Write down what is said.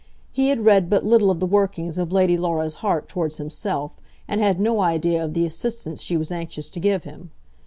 He had read but little of the workings of Lady Laura's heart towards himself, and had no idea of the assistance she was anxious to give him.